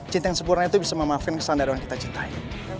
cinta yang sempurna itu bisa memaafkan kesandar orang yang kita cintai